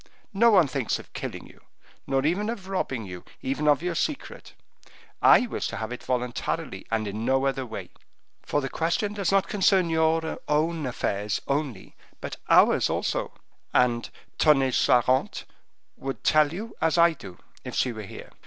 No one thinks of killing you, nor even of robbing you, even of your secret; I wish to have it voluntarily, and in no other way; for the question does not concern your own affairs only, but ours also; and Tonnay Charente would tell you as I do, if she were here.